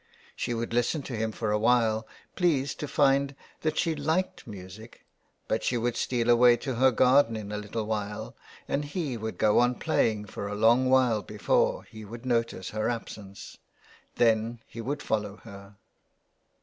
She would listen to him for a while, pleased to find that she liked music. But she would steal away to her garden in a little while and he would go on playing for a long while before he would notice her absence ; then he would follow her.